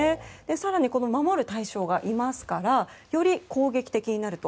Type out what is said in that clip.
更に、守る対象がいますからより攻撃的になると。